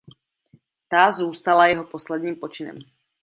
Ta zůstala jeho posledním počinem.